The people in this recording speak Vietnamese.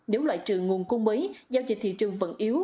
nếu loại trừ nguồn cung mới giao dịch thị trường vẫn yếu